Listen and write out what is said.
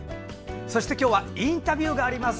そして、今日はインタビューがあります。